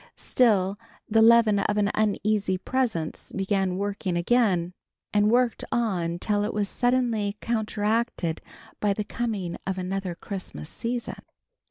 Still the leaven of an uneasy presence began working again, and worked on till it was suddenly counteracted by the coming of another Christmas season.